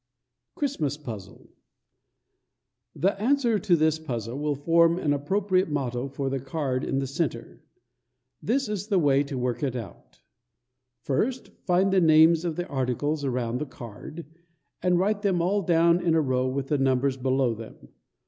CHRISTMAS PUZZLE. The answer to this puzzle will form an appropriate motto for the card in the centre. This is the way to work it out: First find the names of the articles around the card, and write them all down in a row with the numbers below them.